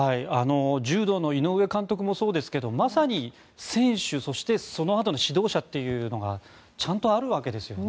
柔道の井上監督もそうですけどまさに選手そしてそのあとの指導者というのがちゃんとあるわけですよね。